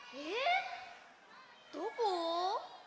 どこ？